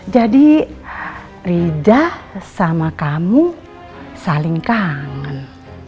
jadi rida sama kamu saling kangen